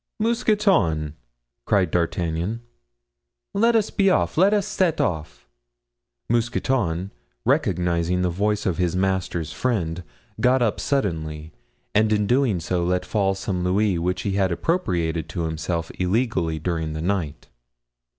"Mousqueton," cried D'Artagnan, "let us be off! Let us set off." Mousqueton, recognizing the voice of his master's friend, got up suddenly, and in doing so let fall some louis which he had appropriated to himself illegally during the night.